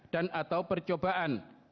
dan atau percobaan